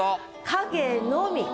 「影のみ」